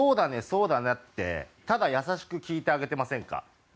そうだねってただ優しく聞いてあげてませんか？